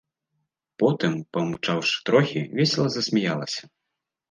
Потым, памаўчаўшы трохі, весела засмяялася.